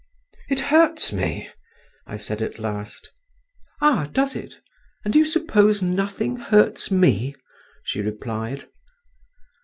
"It hurts me," I said at last. "Ah! does it? And do you suppose nothing hurts me?" she replied.